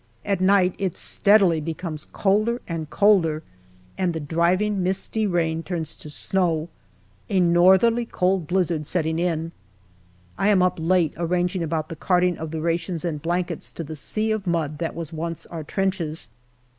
At night it steadily becomes colder and colder, and the driving, misty rain turns to snow, a northerly cold blizzard setting in. I am up late arranging about the carting of the rations and blankets to the sea of mud that was once our trenches.